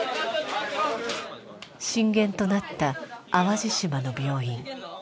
震源となった淡路島の病院。